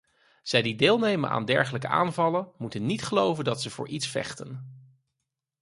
Zij die deelnemen aan dergelijke aanvallen moeten niet geloven dat ze voor iets vechten.